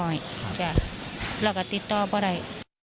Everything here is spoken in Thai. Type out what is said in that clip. เราก็ติดต่อก็ได้